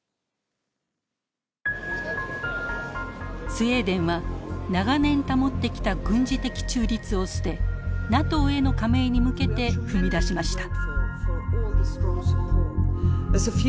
スウェーデンは長年保ってきた軍事的中立を捨てＮＡＴＯへの加盟に向けて踏み出しました。